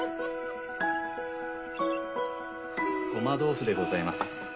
ごま豆腐でございます。